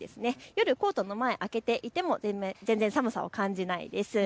夜コートの前、開けていても全然寒さを感じないです。